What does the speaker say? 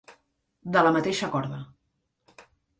De la mateixa corda.